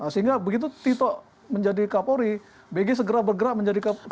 sehingga begitu tito menjadi kapolri bg segera bergerak menjadi kapolri